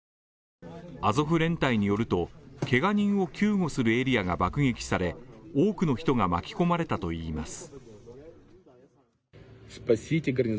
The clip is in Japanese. アゾフ連隊によると、けが人を救護するエリアが爆撃され、多くの人が巻き込まれたといいます。